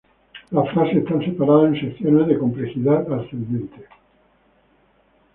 Las frases están separadas en secciones de complejidad ascendente.